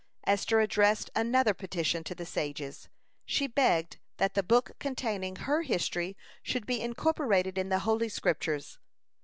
Esther addressed another petition to the sages. She begged that the book containing her history should be incorporated in the Holy Scriptures.